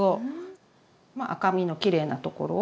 赤身のきれいなところを。